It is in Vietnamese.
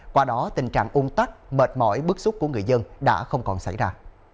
qua đó tình trạng ung tắc mệt mỏi bức xúc của người dân đã không còn xảy ra